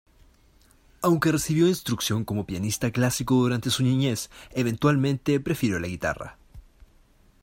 Aunque recibió instrucción como pianista clásico durante su niñez, eventualmente, prefirió la guitarra.